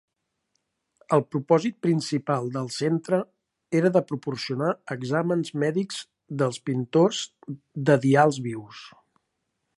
El propòsit principal del centre era de proporcionar exàmens mèdics dels pintors de dials vius.